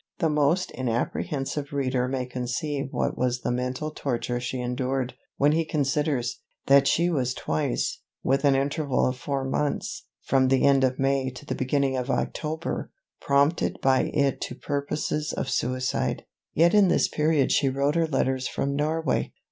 The most inapprehensive reader may conceive what was the mental torture she endured, when he considers, that she was twice, with an interval of four months, from the end of May to the beginning of October, prompted by it to purposes of suicide. Yet in this period she wrote her Letters from Norway.